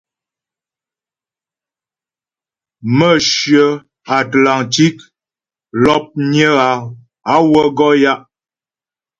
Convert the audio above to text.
Mə̌hyə Atlantik l̀opnyə á wə́ gɔ ya'.